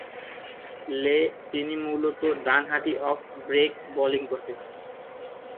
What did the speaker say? লে তিনি মূলতঃ ডানহাতি অফ-ব্রেক বোলিং করতেন।